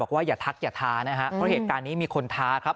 ว่าอย่าทักอย่าท้านะฮะเพราะเหตุการณ์นี้มีคนท้าครับ